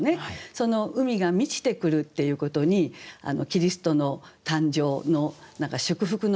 その海が満ちてくるっていうことにキリストの誕生の祝福の思い